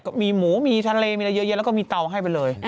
ก็มีหมูมีทะเลมีอะไรเยอะแล้วก็มีเตาให้ไปเลย